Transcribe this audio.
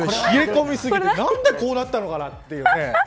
冷え込みすぎて、なんでこうなったのかなっていう。